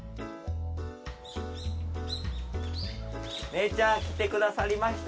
姉ちゃん来てくださりましたよ